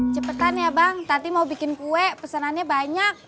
cepetan ya bang tadi mau bikin kue pesanannya banyak